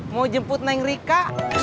mau jemput neng rika